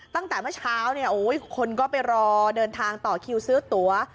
ตั้งแต่เมื่อเช้าเนี่ยโอ้ยคนก็ไปรอเดินทางต่อคิวซื้อตั๋ว